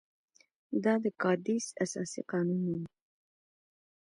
دا د کادیس اساسي قانون وو.